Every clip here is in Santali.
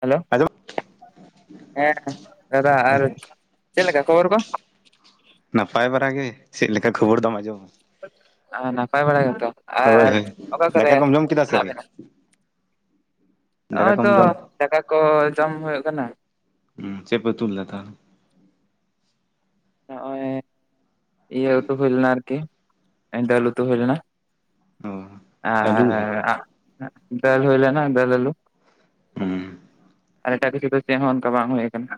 ᱦᱮᱞᱳ ᱟᱸᱡᱚᱢ ᱦᱮᱸ ᱫᱟᱫᱟ ᱟᱨ ᱪᱮᱫ ᱞᱮᱠᱟ ᱠᱷᱚᱵᱚᱨ ᱠᱚ ᱱᱟᱯᱟᱭ ᱵᱟᱨᱟᱜ ᱜᱮ ᱪᱮᱫ ᱞᱮᱠᱟ ᱠᱷᱚᱵᱚᱨ ᱫᱚᱢ ᱟᱸᱡᱚᱢᱟ ᱱᱟᱯᱟᱭ ᱵᱟᱲᱟ ᱜᱮᱛᱚ ᱦᱳᱭ ᱟᱨ ᱦᱳᱭ ᱚᱠᱟ ᱠᱚᱨᱮ ᱫᱟᱠᱟ ᱠᱚᱢ ᱡᱚᱢ ᱠᱮᱫᱟ ᱢᱮᱱᱟᱜ ᱥᱟᱹᱨᱤ ᱵᱤᱱᱟ ᱫᱟᱠᱟ ᱦᱚᱸᱜᱚᱭ ᱠᱚᱢ ᱛᱚ ᱡᱚᱢ ᱫᱟᱠᱟ ᱠᱚ ᱡᱚᱢ ᱦᱩᱭᱩᱜ ᱠᱟᱱᱟ ᱦᱩ ᱪᱮᱫ ᱯᱮ ᱩᱛᱩ ᱞᱮᱫᱟ ᱛᱟᱦᱚᱞᱮ ᱱᱚᱜᱼᱚᱭ ᱤᱭᱟᱹ ᱩᱛᱩ ᱦᱩᱭ ᱞᱮᱱᱟ ᱟᱨᱠᱤ ᱰᱟ‌. ᱞ ᱩᱛᱩ ᱦᱩᱭ ᱞᱮᱱᱟ ᱟᱨᱠᱤ ᱚ ᱟᱹᱞᱩ ᱜᱮ ᱟ ᱟᱜ ᱰᱟ. ᱞ ᱦᱩᱭ ᱞᱮᱱᱟ ᱰᱟ. ᱞ ᱟ. ᱞᱩ [inaudible] ᱟᱨ ᱮᱴᱟ ᱠᱤᱪᱷᱩ ᱫᱚ ᱪᱮᱫᱦᱚᱸ ᱚᱱᱠᱟ ᱵᱟᱝ ᱦᱩᱭ ᱠᱟᱱᱟ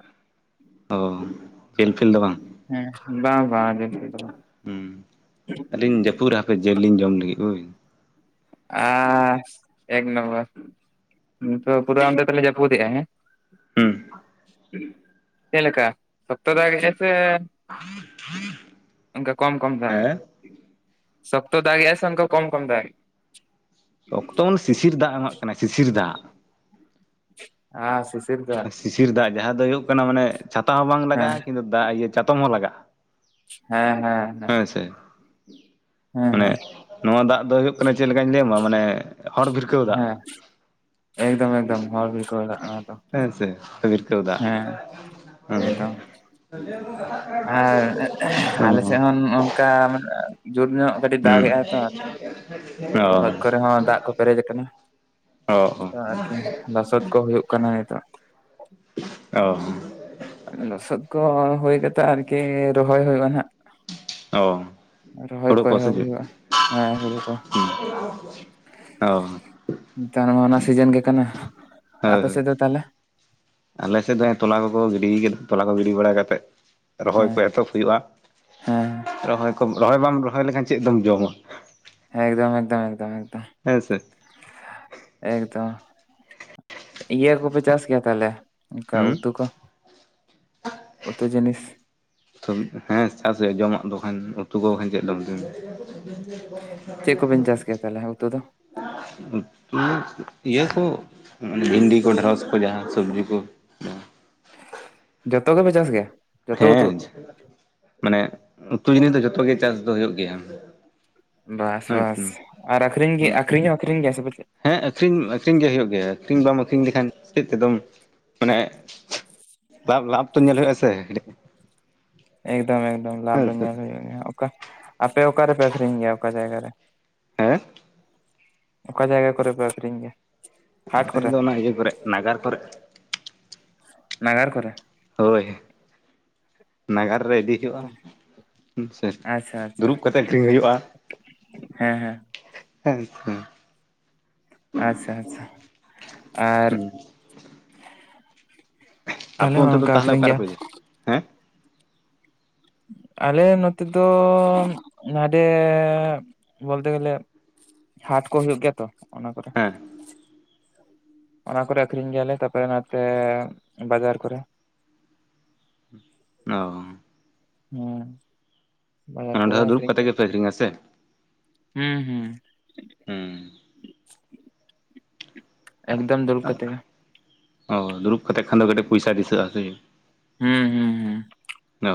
ᱚ ᱡᱮᱞ ᱯᱷᱮᱞ ᱫᱚ ᱵᱟᱝ ᱦᱮᱸ ᱵᱟ ᱵᱟ ᱡᱮᱞᱯᱷᱮᱞ ᱫᱚ ᱵᱟᱝ ᱦᱩᱸ ᱟᱹᱞᱤᱧ ᱡᱟᱹᱯᱩᱫ ᱨᱮ ᱦᱟᱯᱮ ᱡᱮᱞ ᱞᱤᱧ ᱡᱚᱢ ᱞᱟᱹᱜᱤᱫ ᱦᱩᱭ ᱟ ᱮᱠ ᱱᱚᱢᱵᱚᱨ ᱯᱤ ᱯᱩᱨᱟᱹ ᱚᱱᱛᱮ ᱛᱟᱞᱮ ᱡᱟ. ᱯᱩᱫᱮᱜ ᱟ ᱦᱮᱸ ᱦᱩ ᱪᱮ ᱞᱮᱠᱟ ᱥᱚᱠᱛᱚ ᱫᱟᱜᱮ ᱥᱮ [unintelligible] ᱚᱱᱠᱟ ᱠᱚᱢ ᱠᱚᱢ ᱫᱟᱜᱮ ᱦᱮᱸ ᱥᱚᱠᱛᱚ ᱫᱟᱜᱮ ᱟ ᱥᱮ ᱠᱚᱢ ᱠᱚᱢ ᱫᱟᱜ ᱥᱚᱠᱛᱚ ᱢᱟᱱᱮ ᱥᱤᱥᱤᱨ ᱫᱟᱜ ᱮᱢᱟᱜ ᱠᱟᱱᱟ ᱥᱤᱥᱤᱨ ᱫᱟᱜ ᱟ ᱥᱤᱥᱤᱨ ᱫᱟ ᱥᱤᱥᱤᱨ ᱫᱟᱜ ᱡᱟᱦᱟᱸ ᱫᱚ ᱦᱩᱭᱩᱜ ᱠᱟᱱᱟ ᱢᱟᱱᱮ ᱪᱷᱟᱛᱟ ᱦᱚᱸ ᱵᱟᱝ ᱦᱮᱸ ᱞᱟᱜᱟᱜᱼᱟ ᱠᱤᱱᱛᱩ ᱫᱟᱜ ᱤᱭᱟᱹ ᱪᱟᱛᱚᱢ ᱦᱚᱸ ᱞᱟᱜᱟᱜᱼᱟ ᱦᱮᱸ ᱦᱮᱸ ᱦᱮᱸ ᱥᱮ ᱦᱮᱸ ᱢᱟᱱᱮ ᱦᱮᱸ ᱱᱚᱶᱟ ᱫᱟᱜ ᱫᱚ ᱦᱩᱭᱩᱜ ᱠᱟᱱᱟ ᱪᱮᱫ ᱞᱮᱠᱟᱧ ᱞᱟᱹᱭᱟᱢᱟ ᱢᱟᱱᱮ ᱦᱚᱲ ᱵᱷᱤᱲᱠᱟᱹᱣ ᱫᱟᱜ ᱦᱮᱸ ᱮᱜᱽᱫᱚᱢ ᱮᱜᱽᱫᱚᱢ ᱦᱚᱲ [unintelligible] ᱦᱮᱸ ᱥᱮ ᱫᱟᱜ ᱦᱮᱸ ᱦᱮᱸ ᱮᱫᱚᱢ ᱟᱨ ᱟᱞᱮ ᱥᱮᱫ ᱦᱩᱸ ᱦᱚᱸ ᱠᱟ ᱢᱟᱱᱮ ᱡᱳᱨ ᱧᱚᱜ ᱠᱟᱹᱴᱤᱡ ᱫᱟᱜ ᱮᱫᱟᱭ ᱛᱚ ᱟᱫᱚ ᱱᱟ. ᱚ ᱫᱽ ᱠᱚᱨᱮ ᱦᱚᱸ ᱫᱟᱜ ᱠᱚ ᱯᱮᱨᱮᱡ ᱠᱟᱱᱟ ᱚ ᱟᱨᱠᱤ ᱞᱚᱥᱚᱫ ᱠᱚ ᱦᱩᱭᱩᱜ ᱠᱟᱱᱟ ᱱᱤᱛᱚᱜ ᱚ ᱞᱚᱥᱚᱫ ᱠᱚ ᱦᱳᱭ ᱠᱟᱛᱟ ᱟᱨᱠᱤ ᱨᱚᱦᱚᱭ ᱦᱳᱭᱳᱜ ᱦᱟᱸᱜ ᱱᱟᱜ ᱚ ᱨᱚᱦᱚᱭ ᱦᱳᱲᱳ ᱠᱚ ᱥᱮ ᱮᱦᱚᱵ ᱪᱮᱫ ᱦᱩᱭᱩᱜᱼᱟ ᱦᱮᱸ ᱦᱩᱲᱩ ᱠᱚ [unintelligible] ᱚ ᱱᱮᱛᱟᱨ ᱢᱟ ᱚᱱᱟ ᱥᱤᱡᱤᱱ ᱜᱮ ᱠᱟᱱᱟ᱾ ᱟᱯᱮ ᱦᱳᱭ ᱥᱮᱫ ᱫᱚ ᱛᱟᱦᱚᱞᱮ? ᱟᱞᱮ ᱥᱮᱫ ᱫᱚ ᱛᱚᱞᱟ ᱠᱚᱠᱚ ᱜᱤᱰᱤ [inaudible] ᱛᱚᱞᱟ ᱠᱚ ᱜᱤᱰᱤ ᱵᱟᱲᱟ ᱠᱟᱛᱮᱫ ᱨᱚᱦᱚᱭ ᱦᱮᱸ ᱠᱚ ᱮᱛᱚᱦᱚᱵᱽ ᱦᱩᱭᱩᱜᱼᱟ ᱦᱮᱸ ᱨᱚᱦᱚᱭ ᱠᱚ ᱨᱚᱦᱚᱭ ᱵᱟᱢ ᱨᱚᱦᱚᱭ ᱞᱮᱠᱷᱟᱱ ᱪᱮᱫ ᱫᱚᱢ ᱡᱚᱢᱟ ᱦᱮᱸ ᱮᱜᱽᱫᱚᱢ ᱮᱜᱽᱫᱚᱢ ᱮᱜᱽᱫᱚᱢ ᱮᱜᱽᱫᱚᱢ ᱦᱮᱸ ᱥᱮ ᱮᱴᱜᱽᱫᱚᱢ ᱤᱭᱟᱹ ᱠᱚᱯᱮ ᱪᱟᱥ ᱠᱤᱭᱟ ᱛᱟᱞᱮ ᱚᱱᱠᱟ ᱦᱩᱸ ᱩᱛᱩ ᱠᱚ ᱩᱛᱩ ᱡᱤᱱᱤᱥ ᱦᱮᱸ ᱪᱟᱥ ᱦᱩᱭᱩᱜᱼᱟ ᱡᱚᱢᱟᱜ ᱫᱚᱠᱷᱟᱱ ᱩᱛᱩ ᱠᱚ ᱠᱷᱟᱱ ᱪᱮᱫ ᱫᱚ [unintelligible] ᱪᱮᱫ ᱠᱚᱵᱮᱱ ᱪᱟᱥ ᱜᱮᱭᱟ ᱛᱟᱦᱚᱞᱮ ᱩᱛᱩ ᱫᱚ? [unintelligible] ᱤᱭᱟᱹ ᱠᱚ ᱵᱷᱤᱱᱰᱤ ᱠᱚ ᱰᱷᱮᱸᱲᱚᱥ ᱠᱚ ᱡᱟᱦᱟᱸ ᱥᱚᱵᱽᱡᱤ ᱠᱚ ᱡᱚᱛᱚ ᱜᱮᱯᱮ ᱪᱟᱥ ᱜᱮᱭᱟ ᱡᱚᱛᱚ ᱩᱛᱩ ᱦᱮᱸ ᱢᱟᱱᱮ ᱩᱛᱩ ᱡᱤᱱᱤᱥ ᱫᱚ ᱡᱚᱛᱚ ᱜᱮ ᱪᱟᱥ ᱫᱚ ᱦᱩᱭᱩᱜ ᱜᱮᱭᱟ ᱵᱟᱥ ᱦᱮᱸ ᱵᱟᱥ ᱥᱮ᱾ ᱟᱨ ᱟᱠᱷᱨᱤᱧ ᱜᱮ ᱟᱠᱷᱨᱤᱧ ᱦᱚᱸ ᱟᱠᱷᱨᱤᱧ ᱜᱮ ᱥᱮ [inaudible] ᱦᱮᱸ ᱟᱹᱠᱷᱨᱤᱧ ᱟᱹᱠᱷᱨᱤᱧ ᱜᱮ ᱦᱩᱭᱩᱜ ᱜᱮᱭᱟ ᱟᱹᱠᱷᱨᱤᱧ ᱵᱟᱢ ᱟᱹᱠᱷᱨᱤᱧ ᱞᱮᱠᱷᱟᱱ ᱪᱮᱫ ᱛᱮᱫᱚᱢ ᱢᱟᱱᱮ ᱞᱟᱯ ᱞᱟᱯ ᱛᱚ ᱧᱮᱞ ᱦᱩᱭᱩᱜ ᱟᱥᱮ [inaudible] ᱮᱜᱽᱫᱚᱢ ᱮᱜᱽᱫᱚᱢ ᱞᱟᱵᱷ ᱫᱚ ᱧᱮᱞ ᱦᱩᱭᱩᱜ ᱜᱮᱭᱟ ᱚᱠᱟ ᱟᱯᱮ ᱚᱠᱟ ᱨᱮᱯᱮ ᱟᱹᱠᱷᱨᱤᱧ ᱜᱮᱭᱟ? ᱚᱠᱟ ᱡᱟᱭᱜᱟ ᱨᱮ? ᱦᱮᱸ ᱚᱠᱟ ᱡᱟᱭᱜᱟ ᱠᱚᱨᱮ ᱯᱮ ᱟᱹᱠᱷᱨᱤᱧ ᱧᱮᱜ-ᱟ ᱟ ᱫᱚ ᱚᱱᱟ ᱤᱭᱟᱹ ᱠᱚᱨᱮ ᱱᱟᱜᱟᱨ ᱠᱚᱨᱮ ᱱᱟᱜᱟᱨ ᱠᱚᱨᱮ ᱦᱳᱭ ᱱᱟᱜᱟᱨ ᱨᱮ ᱤᱫᱤᱜ ᱦᱚᱸ ᱥᱮ ᱟᱪᱪᱷᱟ ᱟᱪᱪᱷᱟ ᱫᱩᱲᱩᱵ ᱠᱟᱛᱮ ᱟᱹᱠᱷᱨᱤᱧ ᱦᱩᱭᱩᱜᱼᱟ ᱦᱮᱸ ᱦᱮᱸ ᱦᱮᱸ ᱦᱩᱸ ᱟᱪᱷᱟ ᱟᱪᱷᱟ ᱟᱨ ᱟᱯᱮ ᱛᱟᱦᱚᱞᱮ ᱦᱚᱸ ᱚᱱᱛᱮ ᱫᱚ ᱚᱱᱠᱟ ᱛᱟᱦᱚᱞᱮ ᱟᱹᱠᱷᱨᱤᱧ ᱚᱠᱟ ᱜᱮᱭᱟ ᱨᱮᱯᱮ ᱤᱭᱟᱹ ᱦᱮᱸ ᱟᱞᱮ ᱱᱚᱛᱮ ᱫᱚ ᱱᱚᱰᱮ ᱵᱚᱞᱛᱮ ᱜᱮᱞᱮ ᱦᱟᱴ ᱠᱚ ᱦᱩᱭᱩᱜ ᱜᱮᱭᱟ ᱛᱚ ᱚᱱᱟ ᱠᱚᱨᱮ ᱦᱮᱸ ᱚᱱᱟ ᱠᱚᱨᱮ ᱟᱹᱠᱷᱨᱤᱧ ᱜᱮᱭᱟᱞᱮ ᱛᱟᱨᱯᱚᱨᱮ ᱱᱚᱛᱮ ᱵᱟᱡᱟᱨ ᱠᱚᱨᱮ ᱚᱻ ᱦᱮᱸ ᱵᱟᱡᱟᱨ ᱱᱚᱰᱮ ᱠᱚᱨᱮ ᱫᱚ ᱫᱩᱲᱩᱵ ᱠᱟᱛᱮᱜ ᱜᱮᱯᱮ ᱟᱹᱠᱷᱨᱤᱧᱟ ᱥᱮ ᱦᱮᱸ ᱦᱮᱸ ᱦᱮᱸ ᱮᱜᱽᱫᱚᱢ ᱫᱩᱲᱩᱵ ᱠᱟᱛᱮᱜ ᱜᱮ ᱚ ᱫᱩᱲᱩᱵ ᱠᱟᱛᱮᱜ ᱠᱷᱟᱱ ᱫᱚ ᱠᱟᱹᱴᱤᱡ ᱯᱚᱭᱥᱟ ᱫᱤᱥᱟᱹᱜᱼᱟ ᱥᱮ ᱦᱮᱸᱸ ᱚᱻ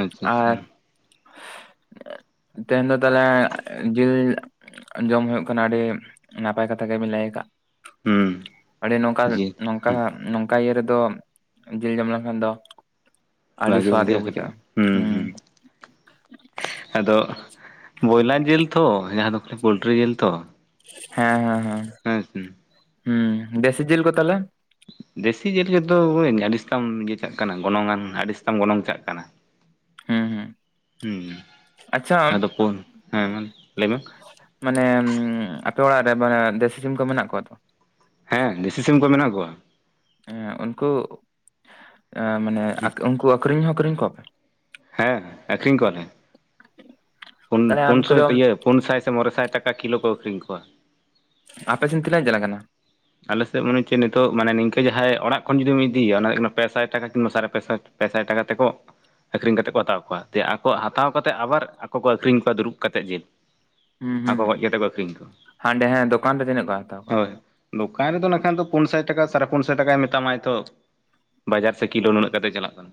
ᱟᱪᱷᱟ ᱟᱪᱷᱟ ᱛᱮ ᱫᱚ ᱛᱟᱦᱚᱞᱮ ᱡᱤᱨᱟᱹᱣ ᱡᱚᱢ ᱦᱩᱭᱩᱜ ᱠᱟᱱᱟ ᱟᱹᱰᱤ ᱱᱟᱯᱟᱭ ᱠᱟᱛᱷᱟ ᱜᱮᱵᱮᱱ ᱞᱟᱹᱭ ᱟᱠᱟᱫ ᱦᱩᱸ ᱟᱹᱰᱤ ᱱᱚᱠᱟ ᱱᱚᱠᱟ ᱡᱤᱞ ᱱᱚᱝᱠᱟ ᱱᱚᱝᱠᱟ ᱤᱭᱟᱹ ᱨᱮᱫᱚ ᱡᱤᱞ ᱡᱚᱢ ᱞᱮᱱᱠᱷᱟᱱ ᱫᱚ ᱟᱹᱰᱤ ᱥᱣᱟᱫᱽ ᱜᱮ ᱵᱩᱡᱷᱟᱹᱜᱼᱟ ᱦᱩᱸ ᱦᱩᱸ ᱟᱫᱚ ᱵᱚᱭᱞᱟ ᱡᱤᱞ ᱛᱚ ᱡᱟᱦᱟᱸ ᱫᱚ ᱯᱳᱞᱴᱨᱤ ᱡᱤᱞ ᱛᱚ ᱦᱮᱸ ᱦᱮᱸ ᱦᱮᱸ ᱦᱮ ᱦᱮᱸ ᱦᱩᱸ ᱫᱮᱥᱤ ᱡᱤᱞ ᱠᱚ ᱛᱟᱦᱚᱞᱮ ᱫᱮᱥᱤ ᱡᱤᱞ ᱞᱤᱫᱚ ᱟᱹᱰᱤᱛᱟᱢ ᱤᱭᱟᱹ ᱪᱟᱜ ᱠᱟᱱᱟ ᱜᱚᱱᱚᱝ ᱟᱱ ᱟᱹᱰᱤ ᱥᱮᱛᱟᱢ ᱜᱚᱱᱚᱝ ᱪᱟᱜ ᱠᱟᱱᱟ [inaudible] ᱦᱩᱸ ᱦᱩᱸ ᱟᱪᱪᱷᱟ ᱟᱫᱚ ᱯᱩᱱ ᱦᱮᱸ ᱞᱟᱹᱭ ᱵᱮᱱ ᱢᱟᱱᱮ ᱩᱸ ᱟᱯᱮ ᱚᱲᱟᱜ ᱨᱮ ᱢᱟᱱᱮ ᱫᱮᱥᱤ ᱥᱤᱢ ᱠᱚ ᱢᱮᱱᱟᱜ ᱠᱚᱣᱟ ᱛᱚ ᱦᱮᱸ ᱫᱮᱥᱤ ᱥᱤᱢ ᱠᱚ ᱢᱮᱱᱟᱜ ᱠᱚᱣᱟ ᱦᱮᱸ ᱩᱱᱠᱩ ᱢᱟᱱᱮ ᱩᱱᱠᱩ ᱟᱹᱠᱷᱨᱤᱧ ᱦᱚᱸ ᱟᱹᱠᱷᱨᱤᱧ ᱠᱚᱣᱟᱯᱮ ᱦᱮᱸ ᱟᱹᱠᱷᱨᱤᱧ ᱠᱚᱣᱟᱞᱮ ᱯᱩᱱ ᱛᱟᱦᱚᱞᱮ ᱩᱱᱠᱩ ᱯᱩᱱᱥᱟᱭ ᱫᱚ ᱤᱭᱟᱹ ᱯᱩᱱ ᱥᱟᱭ ᱥᱮ ᱢᱚᱬᱮ ᱥᱟᱭ ᱴᱟᱠᱟ ᱠᱤᱞᱳ ᱠᱚ ᱟᱹᱠᱷᱨᱤᱧ ᱠᱚᱣᱟ ᱟᱯᱮ ᱥᱮᱱ ᱛᱤᱱᱟᱹᱜ ᱪᱟᱞᱟᱜ ᱠᱟᱱᱟ? ᱟᱞᱮᱥᱮᱫ ᱢᱟᱱᱮ ᱪᱮᱫ ᱱᱤᱛᱚᱜ ᱢᱟᱱᱮ ᱱᱤᱝᱠᱟᱹ ᱡᱟᱦᱟᱸᱭ ᱚᱲᱟᱜ ᱠᱷᱚᱱ ᱡᱩᱫᱤᱢ ᱤᱫᱤᱭᱤᱭᱟ ᱚᱱᱟ ᱠᱟᱱᱟ ᱯᱮ ᱥᱟᱭ ᱴᱟᱠᱟ ᱠᱤᱞᱳ ᱥᱟᱲᱮ ᱯᱮ ᱥᱟᱭ ᱯᱮ ᱥᱟᱭ ᱴᱟᱠᱟ ᱛᱮᱠᱚ ᱟᱹᱠᱷᱨᱤᱧ ᱠᱟᱛᱮᱜ ᱠᱚ ᱦᱟᱛᱟᱣ ᱠᱚᱣᱟ ᱡᱮ ᱟᱠᱚ ᱦᱟᱛᱟᱣ ᱠᱟᱛᱮᱜ ᱟᱵᱟᱨ ᱟᱠᱚ ᱠᱚ ᱟᱹᱠᱷᱨᱤᱧ ᱠᱚᱣᱟ ᱫᱩᱲᱩᱵ ᱠᱟᱛᱮᱜ ᱡᱮ ᱦᱮ ᱦᱩᱸ ᱦᱟᱸᱰᱮ ᱦᱮᱸ ᱫᱚᱠᱟᱱ ᱨᱮ ᱛᱤᱱᱟᱹᱜ ᱠᱚ ᱦᱟᱛᱟᱣ ᱠᱚᱣᱟ ᱦᱳᱭ ᱛᱟᱦᱚᱞᱮ ᱫᱚᱠᱟᱱ ᱨᱮᱫᱚ ᱢᱮᱱᱠᱷᱟᱱ ᱫᱚ ᱯᱩᱱ ᱥᱟᱭ ᱴᱟᱠᱟ ᱥᱟᱲᱮ ᱯᱩᱱ ᱥᱟᱭ ᱴᱟᱠᱟᱭ ᱢᱮᱛᱟᱢᱟ ᱛᱚ ᱵᱟᱡᱟᱨ ᱥᱮ ᱠᱤᱞᱳ ᱩᱱᱟᱹᱜ ᱠᱟᱛᱮᱜ ᱪᱟᱞᱟᱜ ᱠᱟᱱᱟ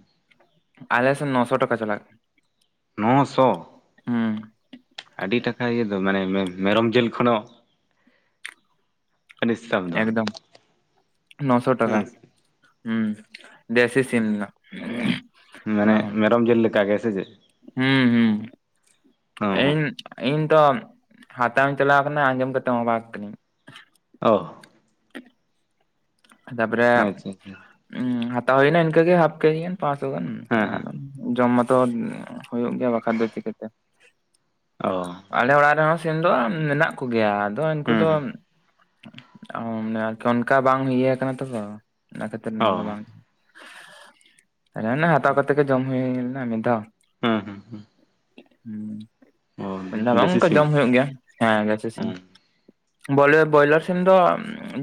ᱟᱞᱮ ᱥᱮ ᱱᱚᱥᱚ ᱴᱟᱠᱟ ᱪᱟᱞᱟᱜ ᱠᱟᱱᱟ ᱱᱚ ᱥᱚ ᱦᱩᱸ ᱟᱹᱰᱤ ᱴᱟᱠᱟ ᱦᱩᱭᱩᱹ ᱫᱚ ᱢᱟᱱᱮ ᱢᱮᱨᱚᱢ ᱡᱤᱞ ᱠᱷᱚᱱᱳ [unintelligible] ᱫᱚ ᱮᱠᱫᱚᱢ ᱱᱚᱥᱚ ᱴᱟᱠᱟ ᱦᱮᱸ ᱥᱮ᱾ ᱦᱩᱸ ᱫᱮᱥᱤ ᱥᱤᱢ ᱨᱮᱱᱟᱜ ᱢᱟᱱᱮ ᱚᱱᱟ ᱦᱚᱸ ᱢᱮᱨᱚᱢ ᱡᱤᱞ ᱞᱮᱠᱟ ᱜᱮ ᱾ ᱥᱮ ᱪᱮᱫ? ᱦᱩᱸ ᱦᱩᱸ ᱚ ᱦᱚᱸ ᱮᱧ ᱤᱧ ᱫᱚ ᱦᱟᱛᱟᱣᱤᱧ ᱪᱟᱞᱟᱣ ᱠᱟᱱᱟ ᱟᱸᱡᱚᱢ ᱠᱟᱛᱮᱜ ᱵᱟᱝ ᱠᱟᱹᱱᱟᱹᱧ ᱚ ᱛᱟᱯᱚᱨᱮ ᱟᱪᱪᱷᱟ ᱟᱪᱪᱷᱟ ᱩᱸ ᱦᱟᱛᱟᱣ ᱦᱩᱭᱱᱟ ᱤᱱᱠᱟᱹ ᱜᱮ ᱦᱟᱯ ᱠᱮᱡᱤ ᱯᱟ ᱥᱳ ᱜᱟᱱ ᱦᱮᱸ ᱟᱨ ᱦᱮᱸ ᱡᱚᱢ ᱢᱟᱛᱚ ᱦᱩᱭᱩᱜ ᱜᱮᱭᱟ᱾ ᱵᱟᱠᱷᱟᱱ ᱫᱚ ᱪᱤᱠᱟᱹᱛᱮ? ᱚ ᱟᱞᱮ ᱚᱲᱟᱜ ᱨᱮᱦᱚᱸ ᱥᱤᱱ ᱫᱚ ᱢᱮᱱᱟᱜ ᱠᱚᱜᱮᱭᱟ ᱟᱫᱚ ᱩᱱᱠᱩ ᱦᱩᱸ ᱫᱚ ᱦᱩᱸ ᱟᱱᱮ ᱟᱨᱠᱤ ᱚᱱᱠᱟ ᱵᱟᱝ ᱤᱭᱟᱹ ᱠᱟᱱᱟ ᱛᱚ ᱚᱱᱟ ᱠᱷᱟᱹᱛᱤᱨ ᱚᱱᱟ ᱫᱚ ᱚ ᱵᱟᱝ ᱦᱟᱛᱟᱣ ᱠᱚᱛᱮ ᱛᱮ ᱜᱮ ᱡᱚᱢ ᱦᱩᱭᱱᱟ ᱢᱤᱫ ᱫᱷᱟᱣ ᱦᱩᱸ ᱦᱩᱸ ᱦᱮᱸ ᱢᱤᱫ ᱫᱷᱟᱣ ᱵᱟᱝ ᱚᱱᱠᱟ ᱡᱚᱢ ᱦᱩᱭᱩᱜ ᱜᱮᱭᱟ ᱦᱮᱸ ᱜᱮᱥ ᱥᱤᱢ ᱵᱚᱭᱞᱟᱨ ᱵᱚᱭᱞᱟᱨ ᱥᱤᱢ ᱫᱚ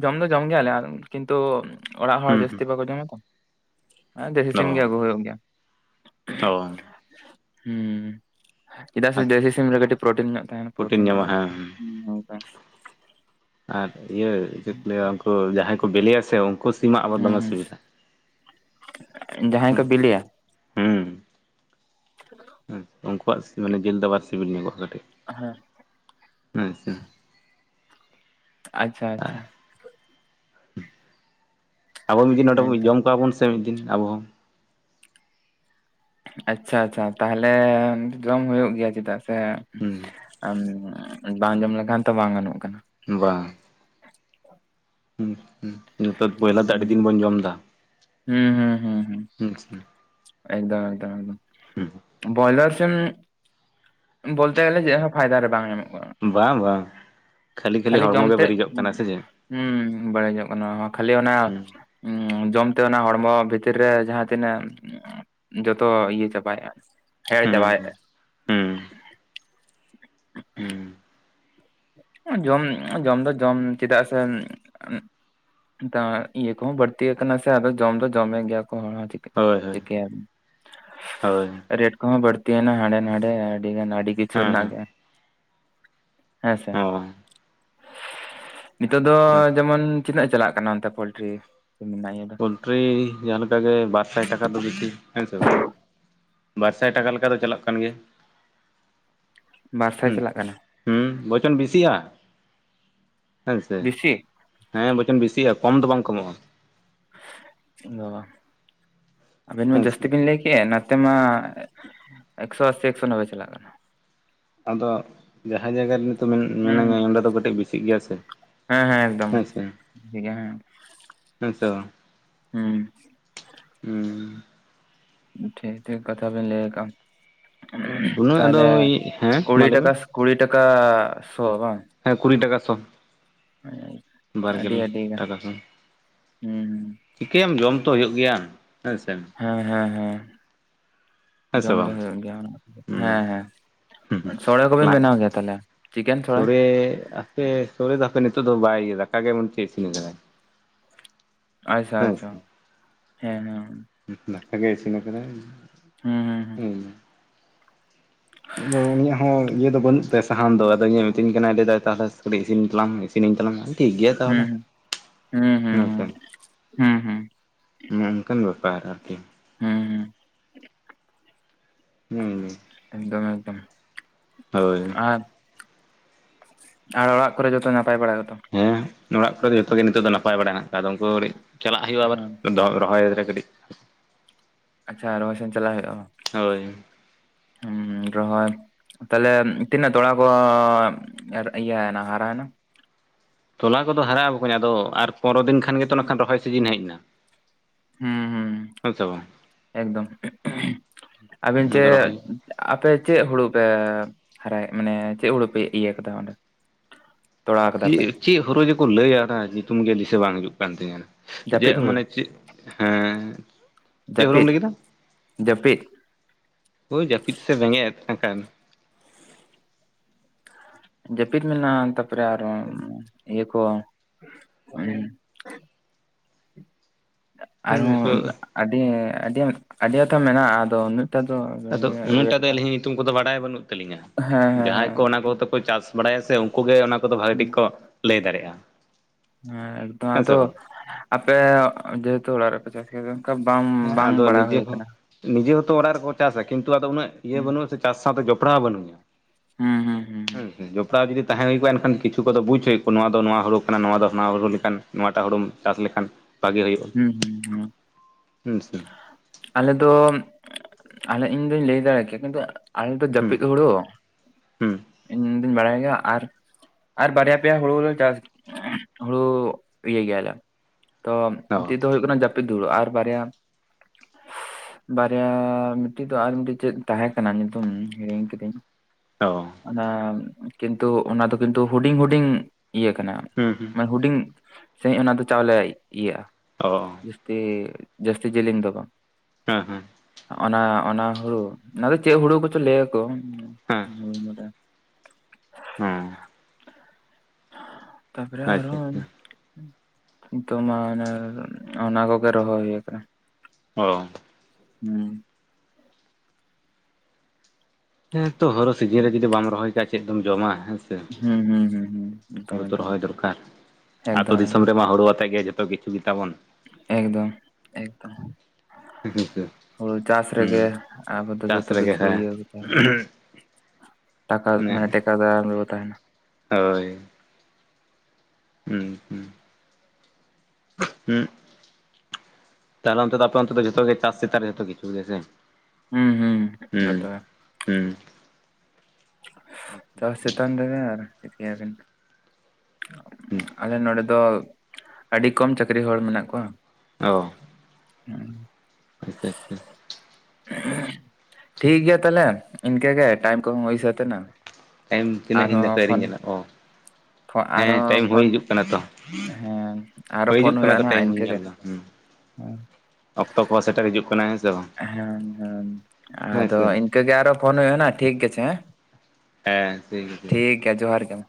ᱡᱚᱢ ᱫᱚ ᱡᱚᱢ ᱜᱮᱭᱟᱞᱮ ᱠᱤᱱᱛᱩ ᱚᱲᱟᱜ ᱦᱚᱲ ᱡᱟᱹᱥᱛᱤ ᱵᱟᱠᱚ ᱡᱚᱢᱟ ᱛᱚ ᱫᱮᱥᱤ ᱥᱤᱢ ᱜᱮ ᱟᱹᱜᱩ ᱦᱩᱭᱩᱜ ᱜᱮᱭᱟ ᱚ ᱦᱩᱸ ᱪᱮᱫᱟᱜ ᱥᱮ ᱫᱮᱥᱤ ᱥᱤᱢ ᱨᱮ ᱠᱟᱹᱴᱤᱡ ᱯᱨᱳᱴᱤᱱ ᱧᱚᱜ ᱛᱟᱦᱮᱱᱟ ᱯᱨᱚᱴᱤᱱ ᱯᱨᱳᱴᱤᱱ ᱠᱚ ᱧᱟᱢᱚᱜ ᱡᱟᱥᱛᱤ ᱦᱮᱸ ᱟᱨ ᱤᱭᱟᱹ ᱪᱮᱫ ᱠᱚ ᱞᱟᱹᱭᱟ ᱩᱱᱠᱩ ᱡᱟᱦᱟᱸᱭ ᱠᱚ ᱵᱞᱮᱭᱟ ᱥᱮ ᱩᱸ ᱦᱩᱸ ᱦᱩᱸ ᱡᱟᱦᱟᱸᱭ ᱠᱚ ᱵᱮᱞᱮᱭᱟ? ᱦᱩᱸ, ᱦᱩᱸ ᱩᱱᱠᱩᱣᱟᱜ ᱥᱤ [unintelligible] ᱡᱤᱞ ᱫᱚ ᱟᱵᱟᱨ ᱥᱤᱵᱤᱞ ᱧᱚᱜ-ᱟ ᱠᱟᱹᱴᱤᱡ᱾ ᱦᱮᱸ- ᱱᱟᱥᱮ ᱟᱪᱷᱟ, ᱟᱪᱷᱟ᱾ ᱟᱵᱚ ᱢᱤᱫ ᱫᱤᱱ ᱱᱚᱸᱰᱮ ᱦᱮᱸᱛᱚ ᱡᱚᱢ ᱠᱚᱣᱟ ᱵᱚᱱ ᱥᱮ ᱢᱤᱫ ᱫᱤᱱ ᱟᱵᱚᱦᱚᱸ᱾ ᱟᱪᱷᱟ ᱟᱪᱷᱟ ᱛᱟᱦᱞᱮ ᱡᱚᱢ ᱦᱩᱭᱩᱜ ᱜᱮᱭᱟ ᱪᱮᱫᱟᱜ ᱥᱮ ᱦᱩᱸ ᱵᱟᱝ ᱡᱚᱢ ᱞᱮᱠᱷᱟᱱ ᱛᱚ ᱵᱟᱝ ᱜᱟᱱᱚᱜ ᱠᱟᱱᱟ ᱵᱟᱝ ᱦᱩᱸ ᱦᱩᱸ ᱵᱚᱭᱞᱟ ᱫᱚ ᱟ. ᱦᱩᱸ ᱰᱤ ᱫᱤᱱ ᱵᱚᱱ ᱡᱚᱢ ᱫᱟ ᱦᱩᱸ ᱮᱜᱽᱫᱚᱢ ᱮᱜᱽᱫᱚᱢ ᱦᱩᱸ, ᱮᱜᱽᱫᱚᱢ ᱵᱚᱭᱞᱟᱨ ᱥᱮᱢ ᱵᱚᱞᱛᱮ ᱜᱮᱞᱮ ᱡᱮᱫ ᱦᱚᱸ ᱯᱷᱟᱭᱫᱟ ᱨᱮ ᱵᱟᱝ ᱮᱢᱚᱜ ᱠᱚᱜ-ᱟ ᱵᱟᱝ ᱵᱟᱝ ᱠᱷᱟᱹᱞᱤ ᱡᱚᱢ ᱦᱚᱲᱢᱚ ᱜᱮ ᱛᱮ ᱵᱟᱹᱲᱤᱡᱚᱜ ᱠᱟᱱᱟ ᱥᱮ ᱪᱮᱫ ᱦ ᱵᱟᱲᱟᱭ ᱧᱚᱜ ᱠᱟᱱᱟ ᱠᱷᱟᱹᱞᱤ ᱚᱱᱟ ᱦᱩᱸ ᱦᱩᱸ ᱡᱚᱢᱛᱮ ᱚᱱᱟ ᱦᱚᱲᱢᱚ ᱵᱷᱤᱛᱤᱨ ᱨᱮ ᱡᱟᱦᱟᱸ ᱛᱤᱱᱟᱹᱜ ᱡᱚᱛᱚ ᱤᱭᱟᱹ ᱪᱟᱵᱟᱭᱮᱫ-ᱟ ᱦᱮᱲ ᱦᱩᱸ ᱪᱟᱵᱟᱭᱮᱫ-ᱟ᱾ ᱦᱩᱸ ᱦᱩᱸ ᱦᱩᱸ᱾ ᱡᱚᱢ ᱡᱚᱢ ᱫᱚ ᱡᱚᱢ ᱪᱮᱫᱟᱜ ᱥᱮ ᱱᱮᱛᱟᱨ ᱤᱭᱟᱹ ᱠᱚᱦᱚᱸ ᱵᱟᱹᱲᱛᱤ ᱟᱠᱟᱱᱟ ᱥᱮ ᱟ ᱡᱚᱢ ᱫᱚ ᱡᱚᱢᱮ ᱜᱮᱭᱟ ᱠᱚ ᱠᱟᱹᱴᱤᱪ ᱦᱳᱭ ᱦᱳᱭ ᱪᱮᱠᱟᱭᱟᱢ ᱦᱳᱭ ᱨᱮᱴ ᱠᱚᱦᱚᱸ ᱵᱟᱹᱲᱛᱤ ᱮᱱᱟ ᱦᱰᱮ ᱱᱟᱰᱮ ᱟᱹᱰᱤᱜ ᱜᱟᱱ ᱟᱹᱰᱤ ᱠᱤᱪᱷᱩ ᱦᱮᱸ ᱨᱮᱱᱟ ᱦᱮᱸ ᱜᱮ ᱦᱮᱸᱥᱮ ᱚ ᱱᱤᱛᱳᱜ ᱫᱚ ᱟᱪᱪᱷᱟ ᱡᱮᱢᱚᱱ ᱛᱤᱱᱟᱹᱜ ᱪᱟᱞᱟᱜ ᱠᱟᱱᱟ ᱚᱱᱛᱮ ᱯᱳᱞᱴ ᱴᱤ [inaudible] ᱯᱳᱚᱞᱴᱨᱤ ᱡᱟᱦᱟᱸ ᱞᱮᱠᱟᱜᱮ ᱵᱟᱨ ᱥᱟᱭ ᱴᱟᱠᱟ ᱫᱚ ᱵᱤᱥᱤ ᱦᱮᱸ ᱥᱮ ᱵᱟᱝ, ᱵᱟᱨ ᱥᱟᱭ ᱴᱟᱠᱟ ᱞᱮᱠᱟ ᱫᱚ ᱪᱟᱞᱟᱜ ᱠᱟᱱ ᱜᱮᱭᱟ᱾ ᱵᱟᱨᱥᱟᱭ ᱦᱩᱸ ᱪᱟᱞᱟᱜ ᱠᱟᱱᱟ ᱦᱩᱸ ᱵᱚᱪᱚᱱ ᱵᱮᱥᱤᱜ-ᱟ᱾ ᱦᱳᱭ ᱥᱮ ᱵᱮᱥᱤ ᱦᱮᱸ ᱵᱚᱪᱚᱱ ᱵᱮᱥᱤᱜ-ᱟ ᱠᱚᱢ ᱫᱚ ᱵᱟᱝ ᱠᱚᱢᱚᱜ-ᱟ᱾ ᱚ ᱟᱵᱤᱱ ᱢᱟ ᱦᱮᱸ ᱥᱮ ᱡᱟᱹᱥᱛᱤ ᱵᱤᱱ ᱞᱟᱹᱭ ᱠᱮᱜ-ᱟ ᱱᱛᱮ ᱢᱟ ᱮᱠᱥᱚ ᱟᱥᱤ ᱮᱠᱥᱚ ᱱᱚᱵᱵᱚᱭ ᱪᱟᱞᱟᱜ ᱠᱟᱱᱟ᱾ ᱟᱫᱚ ᱡᱟᱦᱟᱸ ᱡᱟᱭᱜᱟ ᱨᱮ ᱱᱤᱛᱚᱜ ᱦᱩᱸ ᱢᱮᱱᱮ-ᱢᱤᱱᱟᱹᱧᱟ ᱚᱸᱰᱮ ᱫᱚ ᱠᱟᱹᱴᱤᱡ ᱵᱮᱥᱤᱜ ᱜᱮᱭᱟ ᱥᱮ᱾ ᱦᱮᱸ ᱦᱮᱸ ᱮᱠᱫᱚᱢ ᱦᱮᱸᱥᱮ [inaudible] ᱜᱮᱭᱟ ᱦᱮᱸ᱾ ᱦᱮᱸ ᱥᱮ ᱵᱟᱝ ᱦᱩᱸ ᱴᱷᱤᱠ ᱴᱷᱤᱠ ᱠᱟᱛᱷᱟ ᱵᱤᱱ ᱞᱟᱹᱭ ᱠᱟᱜ᱾ ᱩᱦᱸ ᱩᱱᱟᱹᱜ ᱟᱫᱚ ᱛᱟᱦᱚᱞᱮ ᱦᱮᱸ ᱠᱩᱲᱤ ᱢᱟ ᱞᱟᱹᱭ ᱢᱮ ᱴᱟᱠᱟ ᱠᱩᱲᱤ ᱴᱟᱠᱟ ᱥᱚ ᱵᱟᱝ? ᱦᱮᱸ ᱠᱩᱲᱤ ᱴᱟᱠᱟ ᱥᱚ᱾ ᱟᱹᱰᱤ ᱵᱟᱨᱜᱮᱞ ᱟᱹᱰᱤ ᱜᱟᱱ ᱴᱟᱠᱟ ᱥᱚ᱾ ᱦᱩᱸ ᱪᱤᱠᱟᱹᱭᱟᱢ ᱡᱚᱢ ᱛᱚ ᱦᱩᱭᱩᱜ ᱜᱮᱭᱟ ᱦᱮᱸ ᱥᱮ᱾ ᱦᱮᱸ ᱦᱮᱸ ᱦᱮᱸ ᱦᱮᱸ ᱥᱮ ᱡᱚᱢ ᱫᱚ ᱵᱟᱝ ᱦᱩᱭᱩᱜ ᱜᱮᱭᱟ ᱚᱱᱟ ᱦᱩᱸ ᱦᱮᱸ ᱦᱮᱸ᱾ ᱦᱩᱸ ᱦᱩᱸ ᱥᱳᱚᱲᱮ ᱠᱚᱵᱮᱱ ᱞᱟᱡ ᱵᱮᱱᱟᱣ ᱜᱮᱭᱟ ᱛᱟᱦᱚᱞᱮ ᱪᱤᱠᱮᱱ ᱥᱳᱲᱮ? ᱥᱮ ᱥᱚᱨᱮ ᱛᱟᱯᱮ ᱱᱤᱛᱚᱜ ᱫᱚ ᱵᱟᱭ ᱤᱭᱟᱹ ᱫᱟᱠᱟᱜᱮ ᱮᱢᱚᱱ ᱪᱮ ᱪᱤᱱ ᱠᱟᱫᱟᱟᱭ᱾ ᱟᱪᱪᱷᱟ ᱟᱪᱪᱷᱟ ᱦᱮᱸ ᱦᱮᱸ᱾ ᱫᱟᱠᱟ ᱜᱮ ᱤᱥᱤᱱ ᱠᱟᱫᱟᱭ ᱦᱩᱸ ᱦᱩᱸ ᱩᱸ ᱟᱫᱚ ᱩᱱᱤᱭᱟᱜ ᱦᱚᱸ ᱤᱭᱟᱹ ᱫᱚ ᱵᱟᱹᱱᱩᱜ ᱛᱟᱭᱟ ᱥᱟᱦᱟᱱ ᱫᱚ ᱟᱫᱚ ᱤᱧᱮ ᱢᱤᱛᱟᱹᱧ ᱠᱟᱱᱟᱭ ᱞᱟᱹᱭᱟᱭ ᱛᱟᱦᱞᱮ ᱠᱟᱹᱴᱤᱡ ᱤᱥᱤᱱ ᱛᱟᱞᱟᱝ ᱤᱥᱤᱱ ᱛᱟᱞᱟᱝ ᱢᱮ, ᱴᱷᱤᱠ ᱜᱮᱭᱟ ᱛᱟᱦᱞᱮ, ᱦᱩᱸ ᱦᱩᱸ ᱦᱩᱸ ᱦᱩᱸ ᱦᱮᱸᱥᱮ? ᱦᱩᱸ ᱦᱩᱸ ᱦᱩᱸ ᱱᱚᱜᱼᱚ ᱱᱚᱝᱠᱟᱱ ᱵᱮᱯᱟᱨ ᱟᱨᱠᱤ᱾ ᱦᱩᱸ ᱦᱩᱸ᱾ ᱦᱩᱸᱻᱦᱩᱸ᱾ ᱮᱠᱫᱚᱢ, ᱮᱠᱫᱚᱢ᱾ ᱦᱳᱭ ᱟᱨ, ᱟᱨ ᱚᱲᱟᱜ ᱠᱚᱨᱮ ᱡᱚᱛᱚ ᱱᱟᱯᱟᱭ ᱵᱟᱲᱟ ᱜᱮᱛᱚ ᱦᱮᱸ ᱚᱲᱟᱜ ᱠᱚᱨᱮ ᱡᱚᱛᱚ ᱜᱮ ᱱᱤᱛᱚᱜ ᱫᱚ ᱱᱟᱯᱟᱭ ᱵᱟᱲᱟᱭ ᱦᱮᱱᱟᱜ ᱟᱠᱟᱫᱟ ᱟᱫᱚ ᱩᱱᱠᱩ ᱜᱮ ᱟᱹᱴᱤᱡ ᱪᱟᱞᱟᱜ ᱦᱩᱭᱩᱜᱼᱟ ᱟᱵᱟᱨ ᱦᱮᱸ ᱫᱚ ᱨᱚᱦᱚᱭ ᱨᱮ ᱠᱟᱹᱴᱤᱡ ᱟᱪᱷᱟ ᱨᱚᱦᱚᱭ ᱥᱮᱱ ᱪᱟᱞᱟᱜᱣ ᱦᱩᱭᱩᱜᱼᱟ, ᱵᱟᱝ ᱦᱳᱭ ᱦᱩᱸ, ᱨᱚᱦᱚᱭ ᱛᱟᱦᱞᱮ ᱛᱤᱱᱟᱹᱜ ᱛᱚᱲᱟ ᱠᱚ ᱮᱨ ᱤᱭᱟᱹᱭᱮᱱᱟ ᱦᱟᱨᱟᱭᱮᱱᱟ ᱛᱚᱞᱟ ᱠᱚᱫᱚ ᱦᱟᱨᱟᱜ-ᱟ ᱵᱚᱠᱚᱧ ᱟᱫᱚ ᱟᱨ ᱯᱚᱸᱨᱚ ᱫᱤᱱ ᱠᱷᱟᱱ ᱜᱮᱛᱚ ᱱᱟᱜ ᱠᱷᱟᱱ ᱟᱫᱚ ᱨᱚᱦᱚᱭ ᱥᱤᱡᱤᱱ ᱦᱮᱡ ᱮᱱᱟ ᱦᱩᱸ ᱦᱩᱸ ᱦᱮᱸ ᱥᱮ ᱵᱟᱝ ᱮᱠᱫᱚᱢ ᱟᱹᱵᱤᱱ ᱚᱱᱟ ᱪᱮᱫ ᱠᱚ ᱨᱚᱦᱚᱭᱟ ᱟᱯᱮ ᱪᱮᱫ ᱦᱩᱲᱩ ᱯᱮ ᱦᱟᱨᱟᱭ, ᱢᱟᱱᱮ ᱪᱮᱫ ᱦᱩᱲᱩ ᱯᱮ ᱤᱭᱟᱹ ᱠᱟᱫᱟ ᱚᱸᱰᱮ? ᱛᱚᱲᱟ ᱠᱟᱫᱟ ᱪᱮᱫ ᱯᱮ ᱪᱮᱫ ᱦᱩᱨᱩ ᱡᱮᱠᱚ ᱞᱟᱹᱭᱟ ᱚᱱᱟ ᱧᱩᱛᱩᱢ ᱜᱮ ᱫᱤᱥᱟᱹ ᱵᱟᱝ ᱦᱤᱡᱩᱜ ᱠᱟᱱ ᱛᱤᱧᱟᱹ ᱚᱱᱟ᱾ ᱡᱮ ᱡᱟᱹᱯᱤᱫ ᱦᱩᱲᱩ ᱢᱟᱱᱮ ᱪᱮᱫ ᱦᱮᱸ, ᱪᱮᱫ ᱦᱩᱲᱩᱢ ᱡᱟᱹᱯᱤᱫ ᱞᱟᱹᱭ ᱠᱮᱫᱟ? ᱡᱟᱹᱯᱤᱫ ᱦᱳᱭ ᱡᱟᱹᱯᱤᱫ ᱥᱮ ᱵᱮᱸᱜᱮᱫ ᱮ ᱛᱟᱦᱮᱸ ᱠᱟᱱ ᱡᱟᱹᱯᱤᱫ ᱢᱮ ᱢᱟ ᱛᱟᱯᱚᱨᱮ ᱟᱨᱚ ᱤᱭᱟᱹ ᱠᱚ ᱦᱮᱸ ᱟᱨᱦᱚᱸ ᱟᱹᱰᱤ, ᱟᱹᱰᱤ, ᱟᱹᱰᱤ ᱟᱛᱷᱟ ᱢᱮᱱᱟᱜᱼᱟ ᱟᱫᱚ ᱩᱱᱟᱹᱜᱴᱟ ᱫᱚ ᱟᱫᱚ ᱩᱭᱦᱟᱹᱨ ᱩᱱᱟᱹᱜᱴᱟᱜ ᱫᱚ ᱮᱫᱟ ᱟᱹᱞᱤᱧ ᱦᱚᱸ ᱧᱩᱛᱩᱢ ᱠᱚᱫᱚ ᱵᱟᱲᱟᱭ ᱵᱟᱹᱱᱩᱜ ᱛᱟᱹᱞᱤᱧᱟ, ᱦᱮᱸ ᱦᱮᱸ ᱡᱟᱦᱟᱸᱭ ᱠᱚ ᱦᱮᱸ ᱚᱱᱟ ᱠᱚ ᱛᱚ ᱠᱚ ᱪᱟᱥ ᱵᱟᱲᱟᱭᱟ ᱥᱮ ᱩᱱᱠᱩᱜ ᱜᱮ ᱚᱱᱟ ᱠᱚᱫᱚ ᱵᱷᱟᱜᱤ ᱴᱷᱤᱠ ᱠᱚ ᱞᱟᱹᱭ ᱫᱟᱲᱮᱭᱟᱜᱼᱟ ᱦᱮᱸ ᱮᱠᱫᱚᱢ ᱦᱮᱸ ᱥᱮ ᱟᱫᱚ ᱵᱟᱝ ᱟᱯᱮ ᱡᱮᱦᱮᱛᱩ ᱚᱲᱟᱜ ᱨᱮᱯᱮ ᱪᱟᱥ ᱠᱮᱫᱟ ᱚᱱᱠᱟ ᱵᱟᱢ ᱦᱮᱸ ᱟᱫᱚ ᱱᱤᱡᱮ ᱦᱚᱸ ᱱᱤᱡᱮ ᱦᱚᱸᱛᱚ ᱚᱲᱟᱜ ᱨᱮᱠᱚ ᱪᱟᱥᱟ ᱠᱤᱱᱛᱩ ᱟᱫᱚ ᱩᱱᱟᱹᱜᱤᱭᱟᱹ ᱦᱩᱸ ᱵᱟᱹᱱᱩᱜᱼᱟ ᱥᱮ ᱪᱟᱥ ᱥᱟᱶᱛᱮ ᱡᱚᱯᱲᱟᱣ ᱵᱟᱹᱱᱩᱧᱟ ᱦᱩᱸ ᱦᱩᱸ ᱦᱩᱸ ᱦᱚᱭ ᱡᱚᱯᱲᱟᱣ ᱡᱩᱫᱤ ᱛᱟᱦᱮᱸ ᱦᱩᱭ ᱠᱚᱜᱼᱟ ᱮᱱᱠᱷᱟᱱ ᱠᱤᱪᱷᱩ ᱠᱚᱫᱚ ᱵᱩᱡᱷ ᱦᱩᱭ ᱠᱚᱜ-ᱟ ᱱᱚᱶᱟ ᱫᱚ ᱱᱚᱶᱟ ᱦᱩᱲ ᱠᱟᱱᱟ ᱱᱚᱣᱟ ᱫᱚ ᱦᱟᱱᱟ ᱦᱩᱲᱩ ᱞᱮᱠᱟᱱ ᱱᱚᱣᱟᱴᱟᱜ ᱦᱩᱲᱩᱢ ᱪᱟᱥ ᱞᱮᱠᱷᱟᱱ ᱵᱷᱟᱜᱮ ᱦᱩᱭᱩᱜᱼᱟ ᱦᱩᱸ ᱦᱩᱸ ᱦᱩᱸ ᱦᱩᱸ ᱥᱮ ᱟᱞᱮ ᱫᱚ ᱟᱞᱮ ᱤᱧᱫᱩᱧ ᱞᱟᱹᱭ ᱫᱟ ᱠᱮᱭᱟ ᱠᱤᱱᱛᱩ ᱟᱞᱮ ᱫᱚ ᱦᱩᱸ ᱡᱟᱹᱯᱤᱫ ᱦᱩᱲᱩ ᱦᱩᱸ ᱤᱧ ᱫᱩᱧ ᱵᱟᱲᱟᱭ ᱜᱮᱭᱟ ᱟᱨ ᱟᱨ ᱵᱟᱨᱭᱟ ᱯᱮᱭᱟ ᱦᱩᱲᱩ ᱞᱮ ᱪᱟᱥ ᱦᱩᱲᱩ ᱤᱭᱟᱹᱭ ᱜᱮᱭᱟᱞᱮ ᱛᱚ ᱢᱤᱫ ᱚ ᱴᱤᱡ ᱫᱚ ᱦᱩᱭᱩᱜ ᱠᱟᱱᱟ ᱡᱟᱹᱯᱤᱫ ᱦᱩᱲᱩ ᱟᱨ ᱵᱟᱨᱭᱟ ᱵᱟᱨᱭᱟ ᱢᱤᱫ ᱴᱤᱡ ᱫᱚ ᱟᱨ ᱢᱤᱫᱴᱤᱡ ᱪᱮᱫ ᱛᱟᱦᱮᱸᱠᱟᱱᱟ? ᱧᱩᱛᱩᱢ ᱦᱤᱲᱤᱧ ᱠᱤᱫᱟᱹᱧ ᱚᱻᱻ ᱚᱱᱟ ᱠᱤᱱᱛᱩ ᱚᱱᱟ ᱫᱚ ᱠᱤᱱᱛᱩ ᱦᱩᱰᱤᱧ ᱦᱩᱰᱤᱧ ᱤᱭᱟᱹ ᱠᱟᱱᱟ ᱦᱩᱸ ᱦᱩᱸ ᱢᱟᱱᱮ ᱦᱩᱰᱤᱧ ᱥᱟᱺᱦᱤᱡ ᱚᱱᱟ ᱫᱚ ᱪᱟᱣᱞᱮ ᱤᱭᱟᱹᱜᱼᱟ ᱚᱻ ᱡᱟᱹᱥᱛᱤ ᱡᱟᱹᱥᱛᱤ ᱡᱮᱞᱮᱧ ᱫᱚ ᱵᱟᱝ ᱦᱮᱸ ᱦᱮᱸ ᱚᱱᱟ ᱚᱱᱟ ᱦᱩᱲᱩ ᱟᱫᱚ ᱪᱮᱫ ᱦᱩᱲᱩ ᱠᱚᱪᱚ ᱞᱟᱹᱭ ᱭᱟᱠᱚ? ᱦᱮᱸ ᱦᱚᱸ ᱛᱟᱯᱚᱨᱮ ᱟᱪᱪᱷᱟ ᱟᱨᱦᱚᱸ ᱟᱪᱪᱷᱟ ᱱᱤᱛᱳ ᱢᱟ [inaudible] ᱚᱱᱟ ᱠᱚᱜᱮ ᱨᱚᱦᱚᱭ ᱦᱩᱭ ᱠᱟᱱᱟ ᱚᱻᱻ ᱦᱩᱸ ᱦᱮᱸ ᱛᱚ ᱦᱚᱨᱳ ᱥᱤᱡᱤᱱ ᱨᱮ ᱡᱩᱫᱤ ᱨᱚᱦᱚᱭ ᱠᱟᱜ ᱪᱮᱫ ᱫᱚᱢ ᱡᱚᱢᱟ ᱦᱮᱸ ᱦᱩᱸ ᱦᱩᱸ ᱦᱩᱸ ᱦᱩᱸ ᱮᱠᱫᱚᱢ [inaudible] ᱮᱠᱫᱚᱢ ᱨᱚᱦᱚᱭ ᱫᱚᱨᱠᱟᱨ ᱟᱹᱛᱳ ᱮᱠᱫᱚᱢ ᱫᱤᱥᱚᱢ ᱨᱮᱢᱟ ᱦᱳᱲᱳ ᱟᱛᱮ ᱜᱮ ᱡᱚᱛᱚ ᱠᱤᱪᱷᱩ ᱜᱮᱛᱟ ᱵᱚᱱ ᱮᱜᱽᱫᱚᱢ ᱮᱜᱽᱫᱚᱢ ᱮᱠᱟᱞ ᱛᱮ ᱦᱩᱲᱩ ᱪᱟᱥ ᱨᱮᱜᱮ ᱟᱵᱚ ᱫᱚ ᱡᱚᱛᱚ ᱨᱮᱜᱮ ᱠᱤᱪᱷᱩ ᱤᱭᱟᱹ ᱦᱮᱸ ᱛᱟᱸᱦᱮᱱᱟ ᱴᱟᱠᱟ ᱢᱟᱱᱮ ᱴᱮᱠᱟ ᱫᱟᱨᱟᱢ ᱨᱮᱵᱚ ᱛᱟᱸᱦᱮᱱᱟ ᱦᱳᱭ ᱦᱩᱸ ᱦᱩᱸ ᱦᱩᱸᱜ ᱛᱟᱦᱚᱞᱮ ᱚᱱᱛᱮ ᱫᱚ ᱟᱯᱮ ᱚᱱᱛᱮ ᱫᱚ ᱡᱷᱚᱛᱚ ᱜᱮ ᱪᱟᱥ ᱪᱮᱛᱟᱱ ᱨᱮᱜᱮ ᱡᱷᱚᱛᱚ ᱠᱤᱪᱷᱩ ᱜᱮ ᱥᱮ ᱦᱩᱸ ᱦᱩᱸ ᱡᱷᱚᱛᱚ ᱜᱮ ᱦᱩᱸ ᱪᱟᱥ ᱪᱮᱛᱟᱱ ᱨᱮᱜᱮ ᱟᱨ ᱪᱤᱠᱟᱹ ᱟᱞᱮ ᱦᱩᱸ ᱟᱞᱮ ᱱᱚᱰᱮ ᱫᱚ ᱟᱹᱰᱤ ᱠᱚᱢ ᱪᱟᱹᱠᱨᱤ ᱦᱚᱲ ᱢᱮᱱᱟᱜ ᱠᱚᱣᱟ ᱚ ᱦᱩᱸ [unintelligible] ᱴᱷᱤᱠ ᱜᱮᱭᱟ ᱛᱟᱦᱚᱞᱮ ᱤᱱᱠᱟᱹ ᱜᱮ ᱴᱟᱭᱤᱢ ᱠᱚᱦᱚᱸ ᱦᱩᱭ ᱥᱟᱹᱛ ᱮᱱᱟ ᱴᱟᱭᱤᱢ ᱛᱤᱱᱟᱹᱜ ᱤᱧ ᱫᱚ ᱦᱟᱯᱮ ᱟᱨᱦᱚᱸ ᱟᱣᱨᱤ ᱯᱷᱳᱱ ᱧᱮᱞᱟ ᱚ ᱦᱮᱸ ᱟᱨᱦᱚᱸ ᱴᱟᱭᱤᱢ ᱦᱩᱭ ᱯᱷᱳᱱ ᱦᱤᱡᱩᱜ ᱠᱟᱱᱟ ᱛᱚ ᱦᱮᱸ ᱟᱨᱚ ᱦᱳᱭ ᱯᱷᱳᱱ ᱦᱤᱡᱩᱜ ᱠᱟᱱᱟ ᱛᱚ ᱦᱩᱭᱩᱜᱼᱟ ᱦᱟᱸᱜ ᱴᱟᱭᱤᱢ ᱦᱚᱧ ᱤᱱᱠᱟᱹ ᱜᱮ ᱧᱮᱞ ᱮᱫᱟ ᱦᱩᱸ [unintelligible] ᱚᱠᱛᱚ ᱠᱚᱦᱚᱸ ᱥᱮᱴᱮᱨ ᱦᱤᱡᱩᱜ ᱠᱟᱱᱟ ᱦᱮᱸ ᱥᱮ ᱵᱟᱝ ᱦᱮᱸ ᱦᱮᱸ ᱦᱮᱸ ᱟᱫᱚ ᱥᱮ ᱦᱮᱸ ᱴᱷᱤᱠ ᱤᱱᱠᱟᱹ ᱜᱮ ᱟᱨᱚ ᱯᱷᱳᱱ ᱦᱩᱭᱩᱜᱼᱟ ᱱᱟᱜ ᱴᱷᱤᱠ ᱟᱪᱷᱮ ᱦᱮᱸ ᱴᱷᱤᱠ ᱜᱮ ᱴᱷᱤᱠ ᱡᱚᱦᱟᱨ ᱜᱮ ᱢᱟ